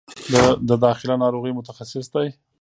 د داخله ناروغیو متخصص دی